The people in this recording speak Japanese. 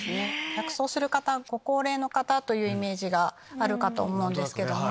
逆走する方ご高齢の方というイメージがあるかと思うんですけども。